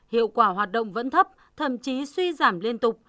hiệu quả hoạt động vẫn thấp thậm chí suy giảm liên tục